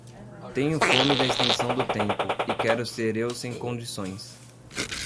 Tenho fome da extensão do tempo, e quero ser eu sem condições.